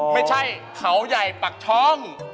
ไม่ใช่เขาใหญ่ปักช่อง